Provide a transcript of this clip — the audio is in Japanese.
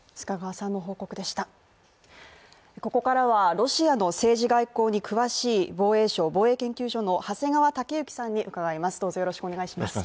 ここからは、ロシアの政治外交に詳しい防衛省防衛研究所の長谷川雄之さんに伺います